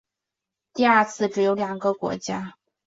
第二次只有两个国家。